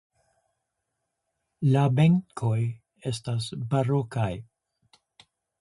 La benkoj estas barokaj.